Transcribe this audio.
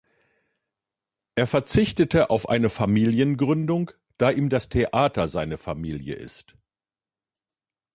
Er verzichtete auf eine Familiengründung, da ihm das Theater seine Familie ist.